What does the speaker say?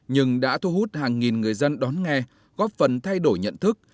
nhưng đã thu hút hàng nghìn người dân đón nghe góp phần thay đổi nhận thức